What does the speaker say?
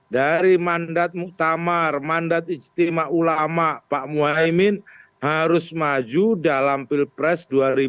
dari mandat muktamar mandat ijtima ulama pak muhaymin harus maju dalam pilpres dua ribu dua puluh